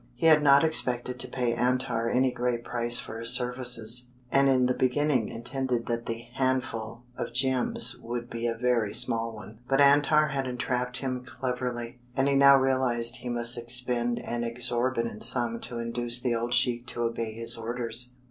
He had not expected to pay Antar any great price for his services, and in the beginning intended that the "handful" of gems would be a very small one; but Antar had entrapped him cleverly, and he now realized he must expend an exorbitant sum to induce the old sheik to obey his orders.